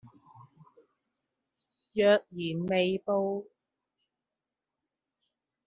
若然未報